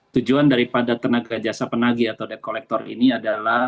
tujuan daripada tenaga jasa penagi atau debt collector ini adalah